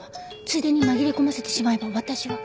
ついでに紛れ込ませてしまえば私は。